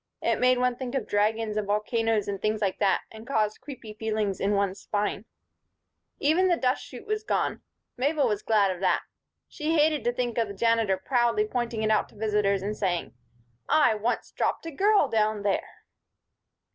It made one think of dragons and volcanoes and things like that; and caused creepy feelings in one's spine. Even the dust chute was gone. Mabel was glad of that. She hated to think of the Janitor proudly pointing it out to visitors and saying: "I once dropped a girl down there."